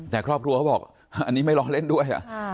แต่ครอบครัวเขาบอกอันนี้ไม่ล้อเล่นด้วยเหรอ